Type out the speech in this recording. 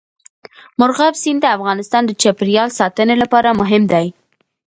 مورغاب سیند د افغانستان د چاپیریال ساتنې لپاره مهم دی.